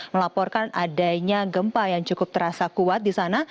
melaporkan adanya gempa yang cukup terasa kuat di sana